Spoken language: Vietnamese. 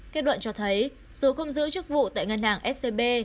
kết luận cho thấy dù không giữ chức vụ tại ngân hàng scb